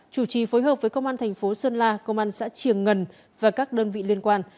chủ trì phối hợp với công an thành phố sơn la công an xã trường ngân và các đơn vị liên quan